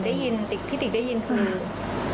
โอ้โหที่ติ๊กได้ยินคือ